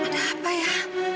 ada apa ya